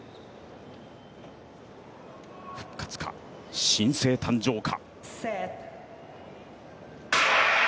復活か、新星誕生か。